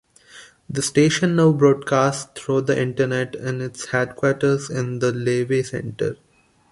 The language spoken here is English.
The station now broadcasts through the Internet in its headquarters in the Leavey Center.